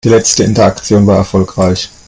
Die letzte Interaktion war erfolgreich.